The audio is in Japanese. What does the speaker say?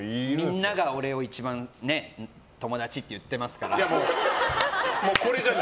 みんなが俺を一番友達って言ってますから。